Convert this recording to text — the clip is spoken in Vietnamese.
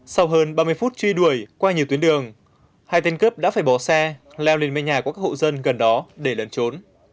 sau hơn ba mươi phút truy đuổi qua nhiều tuyến đường hai tên cướp đã phải bỏ xe leo lên nhà của các hộ dân gần đó để lẩn trốn